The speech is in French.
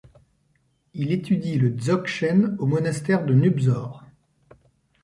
Il étudie le Dzogchen au monastère de Nubzor.